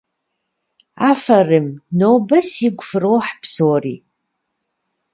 Афэрым! Нобэ сигу фрохь псори!